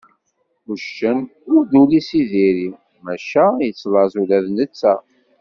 Uccen ur d ul-is i diri, maca yettlaẓ ula d netta.